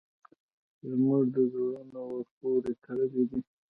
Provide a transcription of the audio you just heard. زموږ زړونه ورپورې تړلي دي.